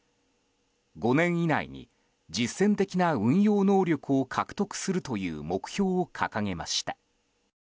５年以内に実践的な運用能力を獲得するという目標を掲げました。